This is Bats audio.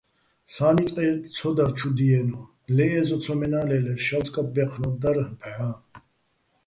სა́ნი წყეჸ ცო დარ ჩუ დიენო̆, ლე ე́ზო ცომენა́ ლე́ლერ, შავწკაპბაჲჴნო́ დარ ბჵა́.